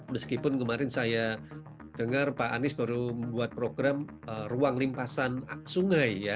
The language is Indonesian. meskipun kemarin saya dengar pak anies baru membuat program ruang limpasan sungai ya